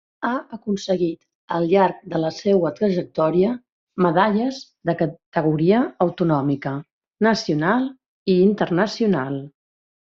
Ha aconseguit al llarg de la seua trajectòria medalles de categoria autonòmica, nacional i internacional.